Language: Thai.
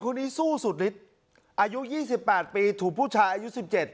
คนนี้สู้สุดฤทธิ์อายุ๒๘ปีถูกผู้ชายอายุ๑๗